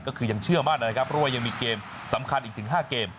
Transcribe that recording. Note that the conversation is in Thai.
ก็คือยังเชื่อมั่นนะครับเพราะว่ายังมีเกมสำคัญอีกถึง๕เกม